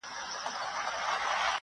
همېشه وي ګنډکپانو غولولی -